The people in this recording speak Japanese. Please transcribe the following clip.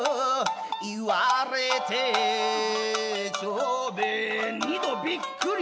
「云われて長兵衛二度びっくり」